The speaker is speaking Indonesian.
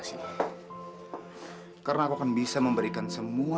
tidak ada gunanya kamu berdua